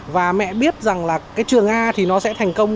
và mẹ biết trường a sẽ thành công